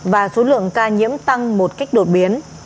và số lượng ca nhiễm tăng một cách đột biến